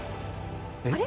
あれ？